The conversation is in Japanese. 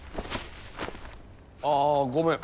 ああごめん。